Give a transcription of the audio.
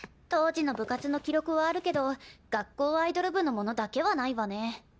当時の部活の記録はあるけど学校アイドル部のものだけはないわね。